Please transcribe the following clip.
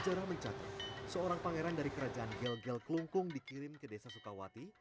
sejarah mencatat seorang pangeran dari kerajaan gel gel kelungkung dikirim ke desa sukawati